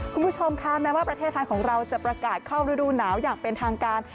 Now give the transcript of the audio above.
คุณผู้ชมคะแม้ว่าประเทศไทยของเราจะประกาศเข้าฤดูหนาวอย่างเป็นทางการ